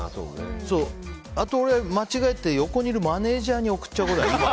あと、俺は間違えて横にいるマネジャーに送っちゃうことも。